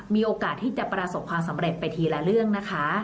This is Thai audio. มีโอกาสที่จะประสบความสำเร็จไปทีละเรื่องนะคะ